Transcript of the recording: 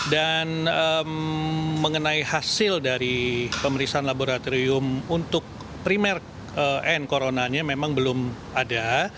dan mengenai hasil dari pemeriksaan laboratorium untuk primer end coronanya memang belum ada